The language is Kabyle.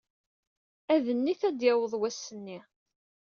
Adennit ad d-yaweḍ wass-nni.